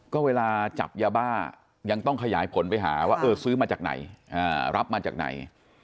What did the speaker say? ก็เวลาจับยาบ้ายังต้องขยายผลไปหาว่าเออซื้อมาจากไหนรับมาจากไหน